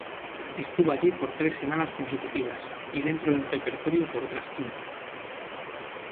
Estuvo allí por tres semanas consecutivas y dentro del repertorio por otras quince.